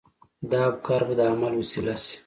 دا افکار به د عمل وسيله شي.